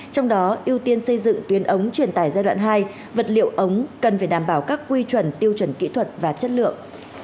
trong đó ưu tiên xây dựng tuyến ống truyền tải giai đoạn hai vật liệu ống cần phải đảm bảo các quy chuẩn tiêu chuẩn kỹ thuật và chất lượng